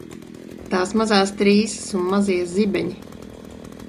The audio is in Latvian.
Tās mazās trīsas un mazie zibeņi.